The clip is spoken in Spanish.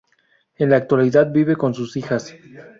En la actualidad vive con sus hijas.